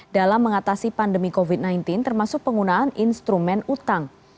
dalam mengatasi pandemi covid sembilan belas termasuk penggunaan instrumen utang